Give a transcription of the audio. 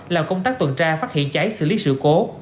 làm công tác tuần tra phát hiện cháy xử lý sự cố